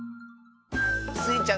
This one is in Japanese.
スイちゃん